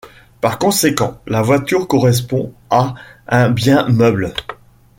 Par conséquent, la voiture correspond à un bien meuble.